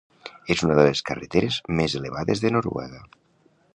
És una de les carreteres més elevades de Noruega.